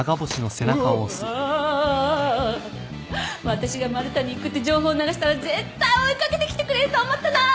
私がマルタに行くって情報流したら絶対追い掛けてきてくれると思ったの！